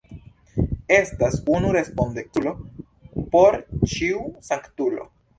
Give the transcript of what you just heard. Estas unu respondeculo por ĉiu sanktulo.